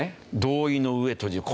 「同意の上閉じる」